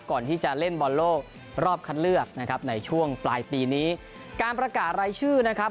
ก่อนที่จะเล่นบอลโลกรอบคัดเลือกนะครับในช่วงปลายปีนี้การประกาศรายชื่อนะครับ